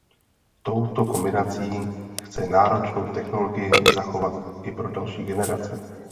Touto kombinací chce náročnou technologii zachovat i pro další generace.